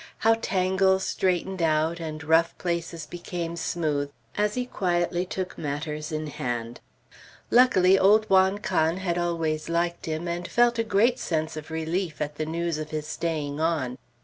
How tangles straightened out, and rough places became smooth, as he quietly took matters in hand. Luckily, old Juan Can had always liked him, and felt a great sense of relief at the news of his staying on.